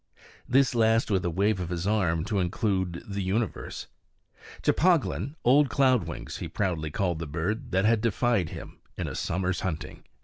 This last with a wave of his arm to include the universe. Cheplahgan, Old Cloud Wings, he proudly called the bird that had defied him in a summer's hunting.